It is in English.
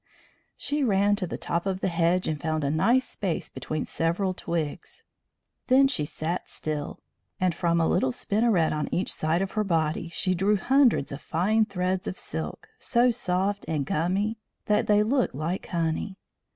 She ran to the top of the hedge and found a nice space between several twigs. Then she sat still, and from a little spinneret on each side of her body she drew hundreds of fine threads of silk, so soft and gummy that they looked like honey.